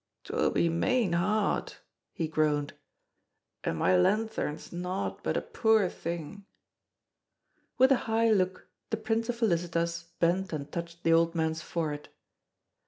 "'Twill be main hard!" he groaned; "an' my lanthorn's nowt but a poor thing." With a high look, the Prince of Felicitas bent and touched the old man's forehead.